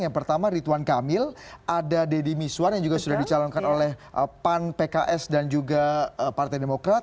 yang pertama rituan kamil ada deddy miswar yang juga sudah dicalonkan oleh pan pks dan juga partai demokrat